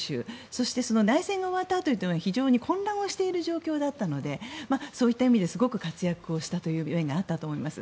そして、内戦が終わったあとは非常に混乱している状況だったのでそういった意味ですごく活躍したという面があったと思います。